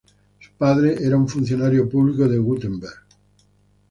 Su padre era un funcionario público de Württemberg.